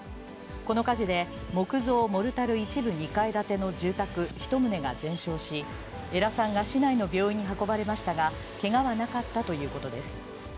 この火事で、木造モルタル、一部２階建ての住宅１棟が全焼し、江良さんが市内の病院に運ばれましたが、けがはなかったということです。